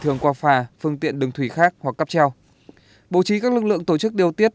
thường qua phà phương tiện đường thủy khác hoặc cắp treo bổ trí các lực lượng tổ chức điều tiết